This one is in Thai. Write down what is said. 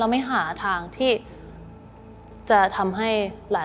อเรนนี่แล้วอเรนนี่แล้วอเรนนี่แล้ว